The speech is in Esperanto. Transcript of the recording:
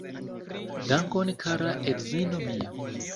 Dankon kara edzino mia